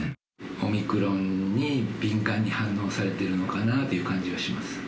オミクロンに敏感に反応されてるのかなという感じはします。